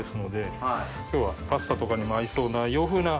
今日はパスタとかにも合いそうな洋風な。